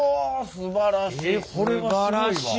ほうすばらしい！